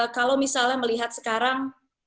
kalau misalnya melihat sekarang